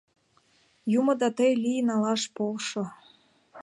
Юмо да тый лий, налаш полшо.